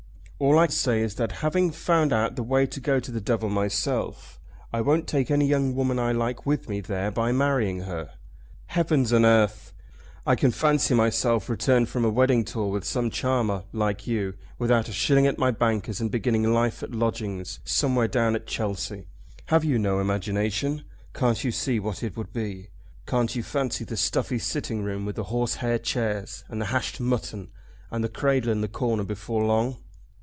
All I say is that having found out the way to go to the devil myself, I won't take any young woman I like with me there by marrying her. Heavens and earth! I can fancy myself returned from a wedding tour with some charmer, like you, without a shilling at my banker's, and beginning life at lodgings, somewhere down at Chelsea. Have you no imagination? Can't you see what it would be? Can't you fancy the stuffy sitting room with the horsehair chairs, and the hashed mutton, and the cradle in the corner before long?"